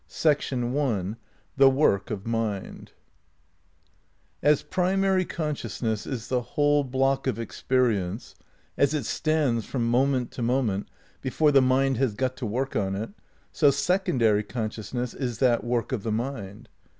X SECONDAEY CONSCIOUSNESS As primary consciousness is the whole block of ex Tiie perience, as it stands from moment to moment, before of the mind has got to work on it, so secondary conscious ^''^^ ness is that work of the mind.